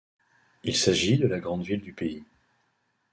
Il s'agit de la grande ville du pays.